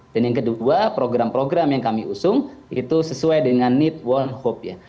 dan yang kedua program program yang kami usung itu sesuai dengan need want hope